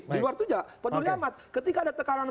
di luar itu peduli amat ketika ada tekanan